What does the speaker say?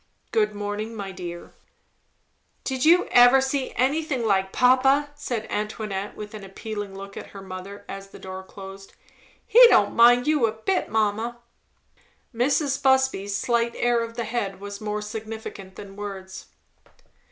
Good morning, my dear!" "Did you ever see anything like papa!" said Antoinette with an appealing look at her mother, as the door closed. "He don't mind you a bit, mamma." Mrs. Busby's slight air of the head was more significant than words.